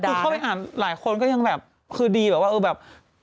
คือเข้าไปอ่านหลายคนก็ยังแบบคือดีแบบว่าเออแบบ